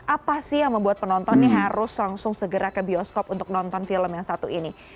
apa sih yang membuat penonton ini harus langsung segera ke bioskop untuk nonton film yang satu ini